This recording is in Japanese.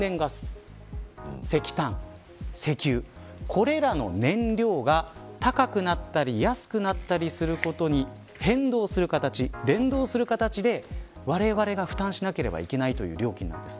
これらの燃料が高くなったり安くなったりすることに変動する形、連動する形でわれわれが負担しなければいけないという料金なんです。